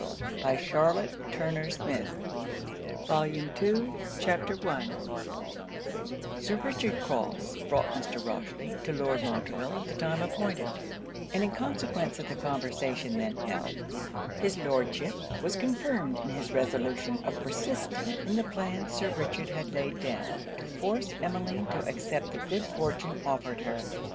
END OF THE FIRST VOLUME VOLUME II CHAPTER I Sir Richard Crofts brought Mr. Rochely to Lord Montreville at the time appointed; and in consequence of the conversation then held, his Lordship was confirmed in his resolution of persisting in the plan Sir Richard had laid down, to force Emmeline to accept the good fortune offered her.